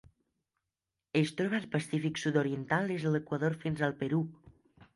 Es troba al Pacífic sud-oriental: des de l'Equador fins al Perú.